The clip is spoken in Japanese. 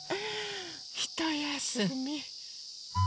ひとやすみ。